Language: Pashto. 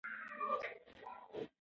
زوی یې له کاره ډېر ناوخته راځي.